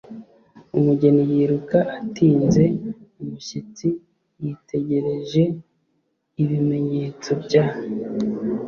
umugeni yiruka atinze - umushyitsi yitegereje. ibimenyetso bya